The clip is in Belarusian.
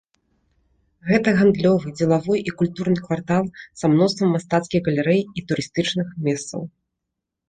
Гэта гандлёвы, дзелавой і культурны квартал са мноствам мастацкіх галерэй і турыстычных месцаў.